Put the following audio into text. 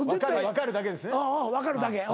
「分かる？」だけ。